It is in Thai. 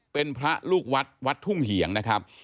เป็นพระลูกวัดวัดทุ่งเหียงนะครับ